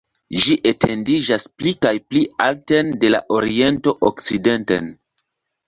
Ĝi etendiĝas pli kaj pli alten de la oriento okcidenten.